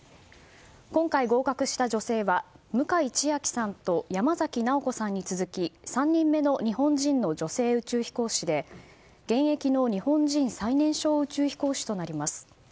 今回、合格した女性は向井千秋さんと山崎直子さんに続き３人目の日本人女性飛行士で現役の日本人最年少宇宙飛行士となります。